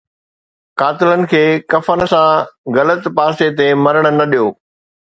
قاتلن کي ڪفن سان غلط پاسي تي مرڻ نه ڏيو